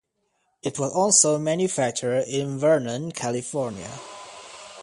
It was also manufactured in Vernon, California.